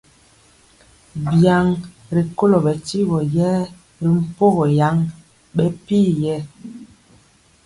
Biaŋ rikolo bɛ tyigɔ yɛɛ ri mpogɔ yaŋ bɛ pir yɛ.